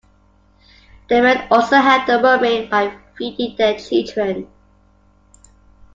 The men also help the women, by feeding their children.